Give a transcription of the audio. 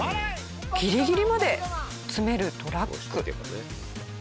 ギリギリまで詰めるトラック。